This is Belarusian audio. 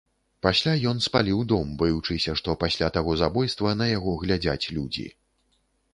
Пасля ён спаліў дом, баючыся, што пасля таго забойства на яго глядзяць людзі.